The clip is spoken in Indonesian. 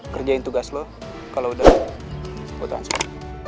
kerjain tugas lo kalau udah gue transfer